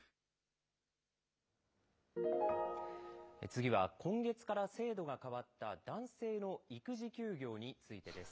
次は今月から制度が変わった、男性の育児休業についてです。